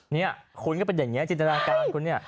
เนี่ยคุณก็เป็นแบบนี้จินทางการคุณเนี่ย